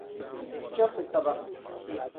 Ti chɛbisi taba.